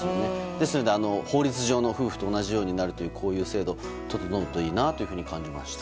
ですので、法律上の夫婦と同じようになるというこういう制度整うといいなと感じました。